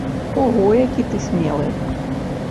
Ого, які ты смелы!